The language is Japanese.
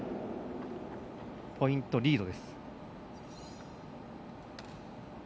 ポイント、リード。